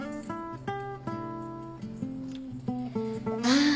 ああ。